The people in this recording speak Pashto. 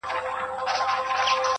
• ما خپل گڼي اوس يې لا خـپـل نه يـمه.